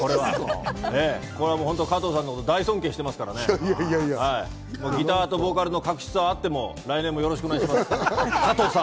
これはもう、加藤さんのこと大尊敬してますから、ギターとボーカルの確執があっても、来年もよろしくお願いします。